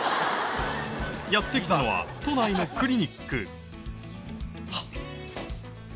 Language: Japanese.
やって来たのは都内のクリニックはっ。